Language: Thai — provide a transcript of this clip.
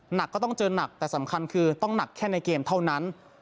หนักก็ต้องเจอหนักแต่สำคัญคือต้องหนักแค่ในเกมเท่านั้น